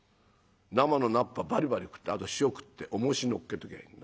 生の菜っぱバリバリ食ってあと塩食っておもし載っけときゃいい」。